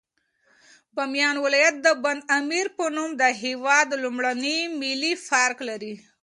بامیان ولایت د بند امیر په نوم د هېواد لومړنی ملي پارک لري.